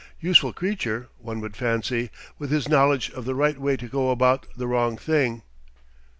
Useful creature, one would fancy, with his knowledge of the right way to go about the wrong thing.